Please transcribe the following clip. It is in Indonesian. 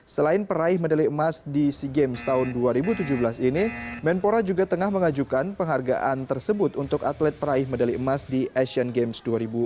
selain peraih medali emas di sea games tahun dua ribu tujuh belas ini menpora juga tengah mengajukan penghargaan tersebut untuk atlet peraih medali emas di asian games dua ribu delapan belas